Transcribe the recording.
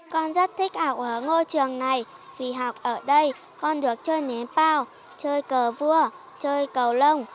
con rất thích học ở ngôi trường này vì học ở đây con được chơi nếm bao chơi cờ vua chơi cầu lồng